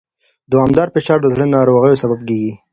دوامداره فشار د زړه ناروغیو سبب کېږي.